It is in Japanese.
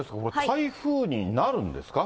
台風になるんですか。